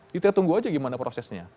kita tunggu aja gimana prosesnya